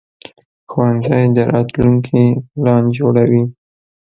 ښوونځی د راتلونکي پلان جوړوي